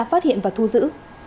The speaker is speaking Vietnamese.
phát hiện và thu giữ